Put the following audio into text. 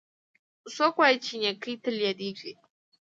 څوک وایي چې نیکۍ تل یادیږي